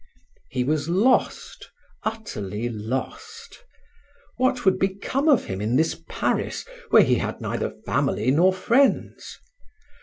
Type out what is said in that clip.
He was lost, utterly lost. What would become of him in this Paris where he had neither family nor friends?